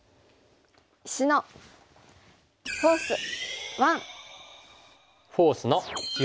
「石のフォース１」。